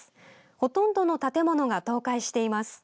ほとんどの建物が倒壊しています。